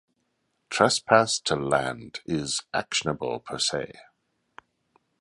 Trespass to land is "actionable per se".